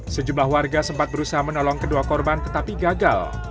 sejumlah warga sempat berusaha menolong kedua korban tetapi gagal